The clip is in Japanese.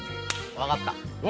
分かった？